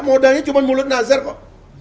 modalnya cuma mulut nazar kok